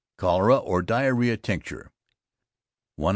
CHOLERA OR DIARRHEA TINCTURE. 1 oz.